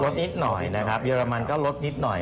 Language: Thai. นิดหน่อยนะครับเรมันก็ลดนิดหน่อย